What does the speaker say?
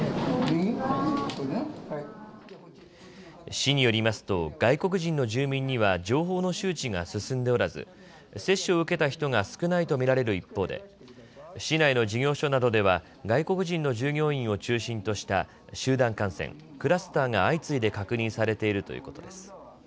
市によりますと外国人の住民には情報の周知が進んでおらず接種を受けた人が少ないと見られる一方で市内の事業所などでは外国人の従業員を中心とした集団感染・クラスターが相次いで確認されているということです。